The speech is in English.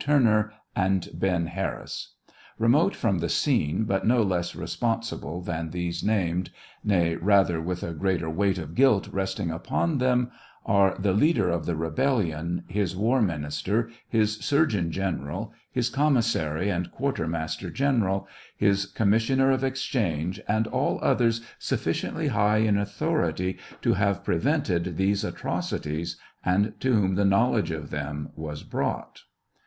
Turner, and Ben. Harris. Remote from the scene, but no less responsible than these named, nay, rather with a greater weight of guilt resting upon them, are the leader of the rebellion, his war minister, his surgeon general, his commis sary and quartermaster general, his commissioner of exchange, and all others sufficiently high in authority to have prevented these atrocities, and to whom the knowledge of them was brought.